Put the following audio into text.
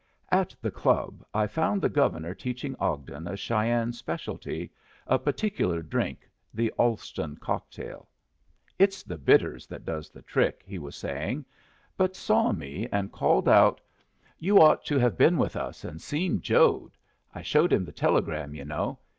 At the club I found the Governor teaching Ogden a Cheyenne specialty a particular drink, the Allston cocktail. "It's the bitters that does the trick," he was saying, but saw me and called out: "You ought to have been with us and seen Jode. I showed him the telegram, you know.